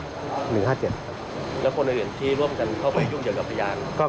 แล้วคนอื่นที่ร่วมกันเข้าไปยุ่งเกี่ยวกับพยาน